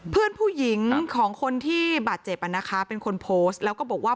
เพื่อนผู้หญิงของคนที่บาดเจ็บเป็นคนโพสต์แล้วก็บอกว่า